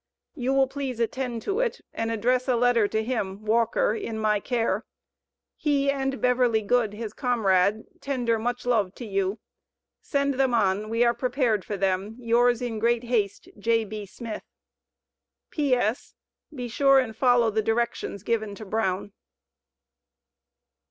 You will please attend to it and address a letter to him (Walker) in my care. He and Beverly Good, his comrade, tender much love to you. Send them on; we are prepared for them. Yours in great haste, J.B. SMITH. P.S. Be sure and follow the directions given to Brown.